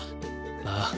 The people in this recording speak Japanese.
ああ。